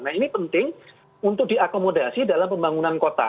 nah ini penting untuk diakomodasi dalam pembangunan kota